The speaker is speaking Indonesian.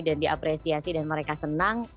dan diapresiasi dan mereka senang